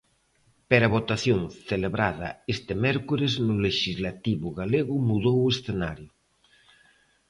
Pero a votación celebrada este mércores no lexislativo galego mudou o escenario.